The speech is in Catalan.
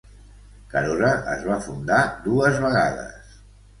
Carora es va fundar dues vegades.